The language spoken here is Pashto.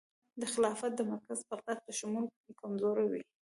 د خلافت د مرکز بغداد په شمول کمزوري وه.